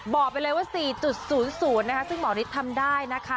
บอกไปเลยว่า๔๐๐นะคะซึ่งหมอฤทธิ์ทำได้นะคะ